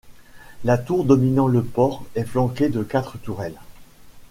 La tour, dominant le port, est flanquée de quatre tourelles.